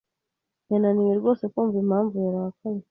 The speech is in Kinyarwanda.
Yananiwe rwose kumva impamvu yarakaye.